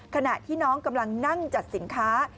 ขณะที่น้องกำลังนั่งจัดสินค้า